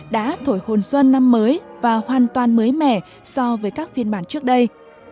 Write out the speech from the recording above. đã thổi hồn xuân năm mới và hoàn toàn mới mẻ so với các phiên bản trước đây